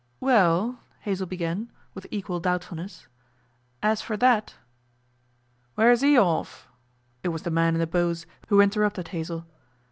'Well,' Hazell began, with equal doubtfulness, 'as for that ' 'Where's 'e orf?' It was the man in the bows who interrupted Hazell.